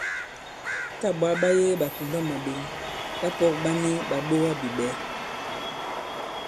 Tâ ɓwǎ ɓa yege ɓàkùmbamàɓěŋ, ɓapɔ̄k ɓa ni ɓàɓogabìɓɛ̌.